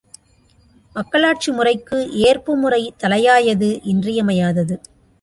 மக்களாட்சி முறைக்கு ஏற்புமுறை தலையாயது இன்றியமையாதது.